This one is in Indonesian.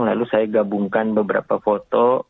lalu saya gabungkan beberapa foto